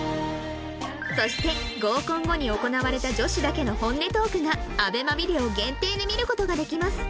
そして合コン後に行われた女子だけの本音トークが ＡＢＥＭＡ ビデオ限定で見る事ができます